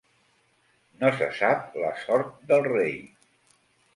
No se sap la sort del rei.